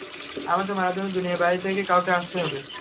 আমাকে মারার জন্য দুনিয়ার বাইরে থেকে কাউকে আসতে হবে!